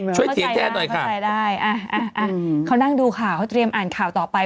ช่วยสีแท้หน่อยค่ะเข้าในดูข่าวเตรียมอ่านข่าวต่อไป